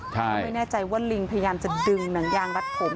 ก็ไม่แน่ใจว่าลิงพยายามจะดึงหนังยางรัดผม